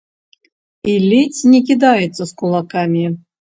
І ледзь не кідаецца з кулакамі!